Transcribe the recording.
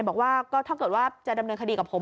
บอกว่าก็ถ้าเกิดว่าจะดำเนินคดีกับผม